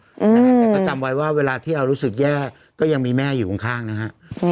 แต่ก็จำไว้ว่าเวลาที่เรารู้สึกแย่ก็ยังมีแม่อยู่ข้างนะฮะ